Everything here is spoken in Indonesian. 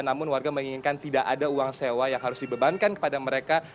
namun warga menginginkan tidak ada uang sewa yang harus dibebankan kepada mereka